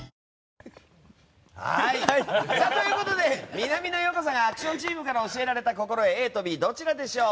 南野陽子さんがアクションチームから教えられた心得ＡとＢ、どちらでしょう。